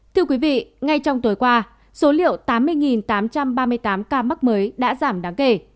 thưa quý vị ngay trong tối qua số liệu tám mươi tám trăm ba mươi tám ca mắc mới đã giảm đáng kể